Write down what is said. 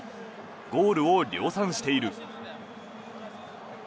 ゴールを量産している。